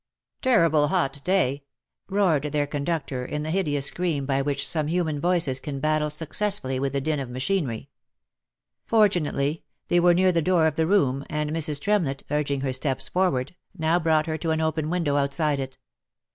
Terrible hot day !" roared their conductor, in the hideous scream by which some human voices can battle successfully with the din of machinery. Fortunately, they were near the door of the room, and Mrs. Trem lett, urging her steps forward, now brought her to an open window outside it.